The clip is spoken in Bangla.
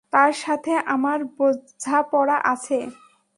তার সাথে আমার বোঝাপড়া আছে।